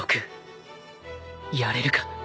やれるか？